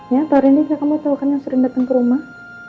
ya pak rindy ya kamu tau kan yang sering datang ke rumah